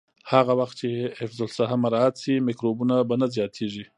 هغه وخت چې حفظ الصحه مراعت شي، میکروبونه به نه زیاتېږي.